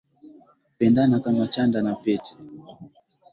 Pendana kama chanda na pete.